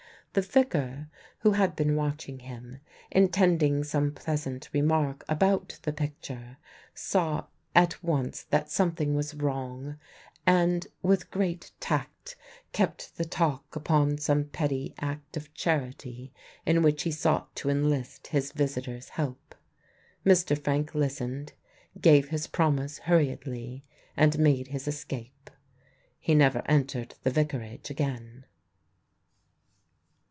The Vicar, who had been watching him, intending some pleasant remark about the picture, saw at once that something was wrong, and with great tact kept the talk upon some petty act of charity in which he sought to enlist his visitor's help. Mr. Frank listened, gave his promise hurriedly and made his escape. He never entered the Vicarage again.